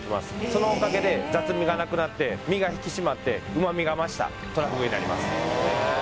そのおかげで雑味がなくなって身が引き締まって旨味が増したとらふぐになります